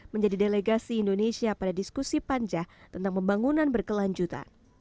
menjadi delegasi indonesia pada diskusi panjang tentang pembangunan berkelanjutan